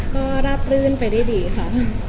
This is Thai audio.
ก็ราบรื่นไปได้ดีค่ะ